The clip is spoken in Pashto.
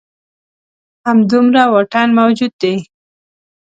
همدومره واټن موجود دی.